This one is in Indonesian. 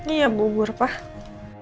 iya bubur pak